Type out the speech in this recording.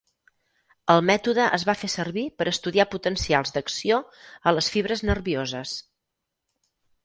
El mètode es va fer servir per estudiar potencials d'acció a les fibres nervioses.